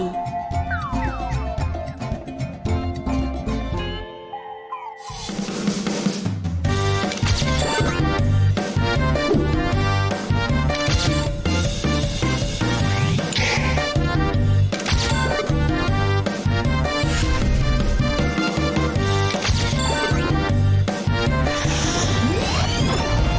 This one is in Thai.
มาสบายนะ